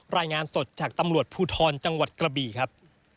รายงานสดจากตำรวจภูทรจังหวัดกระบี่ครับ